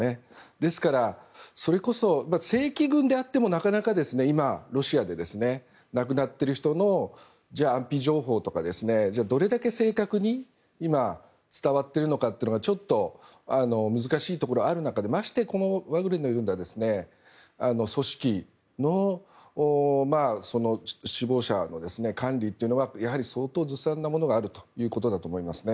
ですから、それこそ正規軍であってもなかなか今ロシアで亡くなってる人の安否情報とか、どれだけ正確に今、伝わっているのかはちょっと難しいところがある中でましてやこのワグネルのような組織の死亡者の管理というのは相当ずさんなものがあるということだと思いますね。